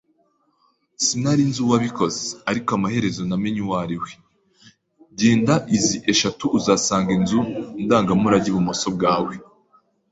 Sinari nzi uwabikoze, ariko amaherezo namenye uwo ari we. Genda izindi eshatu uzasanga inzu ndangamurage ibumoso bwawe.